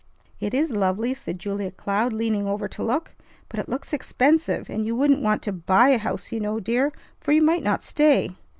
"It is lovely!" said Julia Cloud, leaning over to look. "But it looks expensive, and you wouldn't want to buy a house, you know, dear; for you might not stay."